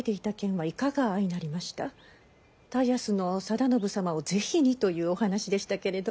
田安の定信様をぜひにというお話でしたけれど。